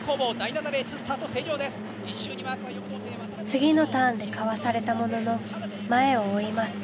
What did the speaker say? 次のターンでかわされたものの前を追います。